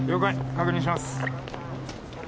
確認します。